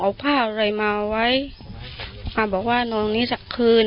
เขาเอาของเอาผ้าอะไรมาเอาไว้อ่ะบอกว่านอนนี้สักคืน